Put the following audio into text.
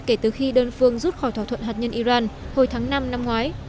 kể từ khi đơn phương rút khỏi thỏa thuận hạt nhân iran hồi tháng năm năm ngoái